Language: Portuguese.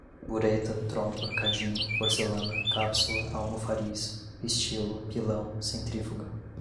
bureta, trompa, cadinho, porcelana, cápsula, almofariz, pistilo, pilão, centrífuga